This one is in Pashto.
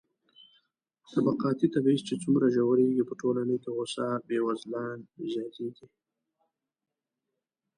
طبقاتي تبعيض چې څومره ژورېږي، په ټولنه کې غوسه بېوزلان زياتېږي.